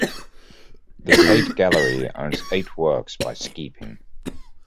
The Tate Gallery owns eight works by Skeaping.